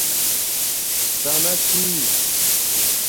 ڎانݳ چھی